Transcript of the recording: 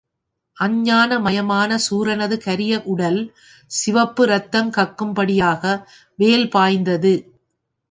அஞ்ஞான மயமான சூரனது கரிய உடல் சிவப்பு ரத்தம் கக்கும் படியாக வேல் பாய்ந்தது.